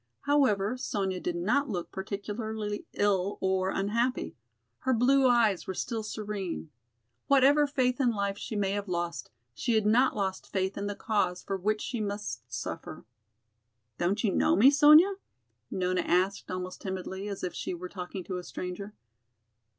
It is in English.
However, Sonya did not look particularly ill or unhappy; her blue eyes were still serene. Whatever faith in life she may have lost, she had not lost faith in the cause for which she must suffer. "Don't you know me, Sonya?" Nona asked almost timidly, as if she were talking to a stranger.